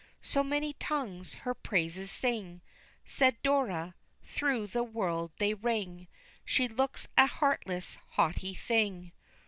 "So many tongues, her praises sing," Said Dora, "through the world they ring, She looks a heartless haughty thing."